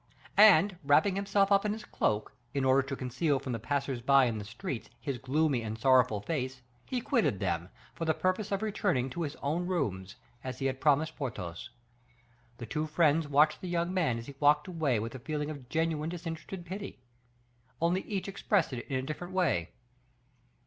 And wrapping himself up in his cloak, in order to conceal from the passers by in the streets his gloomy and sorrowful face, he quitted them, for the purpose of returning to his own rooms, as he had promised Porthos. The two friends watched the young man as he walked away with a feeling of genuine disinterested pity; only each expressed it in a different way.